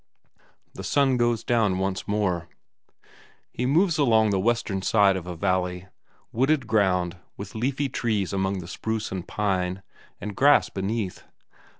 The sun goes down once more. He moves along the western side of a valley; wooded ground, with leafy trees among the spruce and pine, and grass beneath.